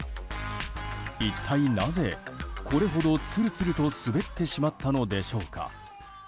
一体なぜ、これほどつるつると滑ってしまったのでしょうか。